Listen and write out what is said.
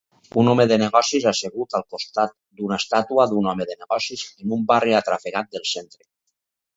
Un home de negocis assegut al costat d'una estàtua d'un home de negocis en un barri atrafegat del centre.